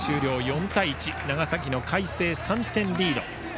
４対１、長崎の海星３点リード。